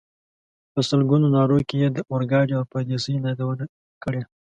په سلګونو نارو کې یې د اورګاډي او پردیسۍ یادونه کړې.